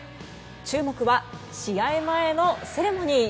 注目は試合前のセレモニー。